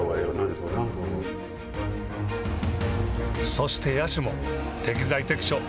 そして野手も適材適所。